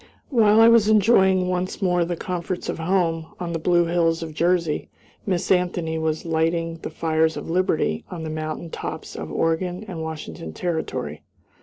While I was enjoying once more the comforts of home, on the blue hills of Jersey, Miss Anthony was lighting the fires of liberty on the mountain tops of Oregon and Washington Territory.